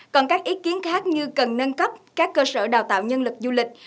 còn các ý kiến khác như cần nâng cấp các cơ sở đào tạo nhân lực du lịch